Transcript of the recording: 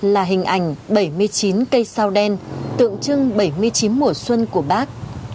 là hình ảnh bảy mươi chín cây sao đen tượng trưng bảy mươi chín mùa xuân của bác